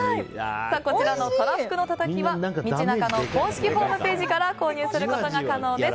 こちらのとらふくのたたきは道中の公式ホームページから購入することが可能です。